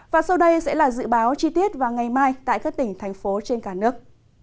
và sau đây sẽ là dự báo chi tiết vào ngày mai tại các tỉnh thành phố trên cả nước